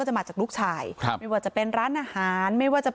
เพราะไม่เคยถามลูกสาวนะว่าไปทำธุรกิจแบบไหนอะไรยังไง